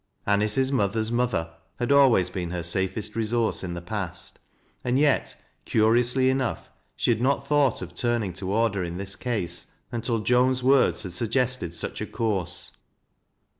An ice's mother's mother had always been her safest resource in the past, and yet, curiously enough, she had aot thought of turning toward her in this case until Joan'i words had suggested such a course.